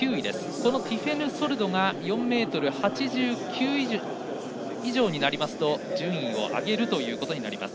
このティフェヌ・ソルドが４ｍ８９以上になりますと順位を上げることになります。